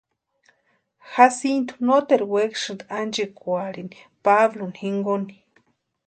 Jacintu noteru wekasïnti anchikwarhini Pablo jinkoni.